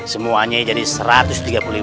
semuanya jadi satu ratus tiga puluh lima ribu